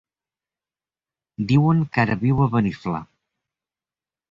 Diuen que ara viu a Beniflà.